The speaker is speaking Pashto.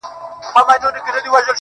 o سترگي دي ژوند نه اخلي مرگ اخلي اوس.